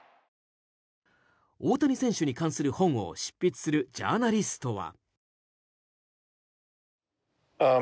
大谷選手に関する本を執筆するジャーナリストは。